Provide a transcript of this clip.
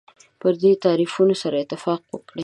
پر دې تعریفونو سره اتفاق وکړي.